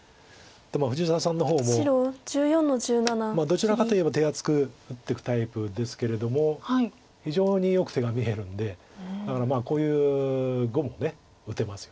どちらかと言えば手厚く打っていくタイプですけれども非常によく手が見えるんでだからこういう碁も打てます。